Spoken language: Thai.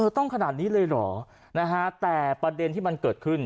ต้องขนาดนี้เลยเหรอนะฮะแต่ประเด็นที่มันเกิดขึ้น